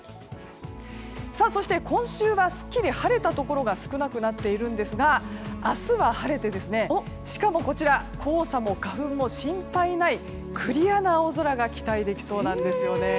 そして、今週はすっきり晴れたところが少なくなっているんですが明日は晴れてしかも黄砂も花粉も心配ないクリアな青空が期待できそうなんですよね。